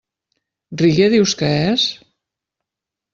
Reggae, dius que és?